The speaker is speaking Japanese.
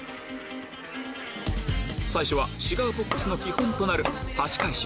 最初はシガーボックスの基本となるはし返し